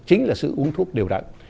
chính là sự uống thuốc đều đặn